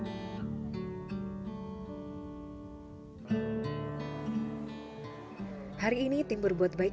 siapa nya dia selang awnk